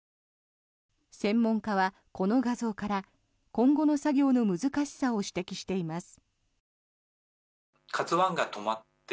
専門家はこの画像から今後の作業の難しさを指摘しています。